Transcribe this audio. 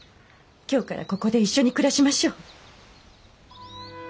今日からここで一緒に暮らしましょう。